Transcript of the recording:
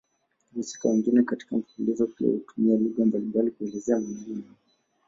Wahusika wengine katika mfululizo pia hutumia lugha mbalimbali kuelezea maneno yao.